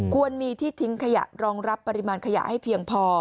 ควรมีที่ทิ้งขยะรองรับปริมาณขยะให้เพียงพอ